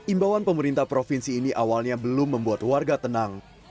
imbauan pemerintah provinsi ini awalnya belum membuat warga tenang